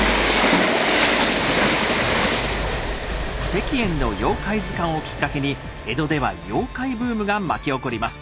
石燕の妖怪図鑑をきっかけに江戸では妖怪ブームが巻き起こります。